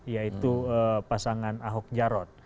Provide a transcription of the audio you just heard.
yaitu pasangan ahok jarod